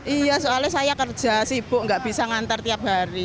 iya soalnya saya kerja sibuk nggak bisa ngantar tiap hari